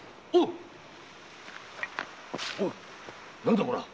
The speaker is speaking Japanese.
おい何だこりゃ？